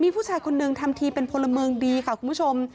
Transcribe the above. ผู้ชายคนนึงทำทีเป็นพลเมืองดีค่ะคุณผู้ชม